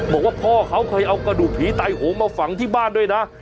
บอกว่าพ่อเค้าคือให้เอากระดูกผีไต่โหมาฝังที่บ้านด้วยนะ